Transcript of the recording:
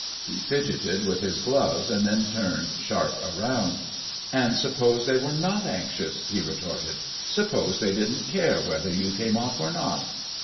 He fidgeted with his gloves, and then turned sharp round. "And suppose they were not anxious?" he retorted. "Suppose they didn't care whether you came off or not?